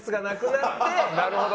なるほど。